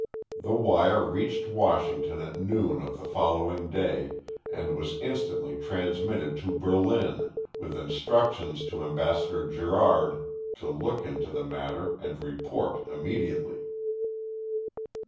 The wire reached Washington at noon of the following day and was instantly transmitted to Berlin, with instructions to Ambassador Gerard to look into the matter and report immediately.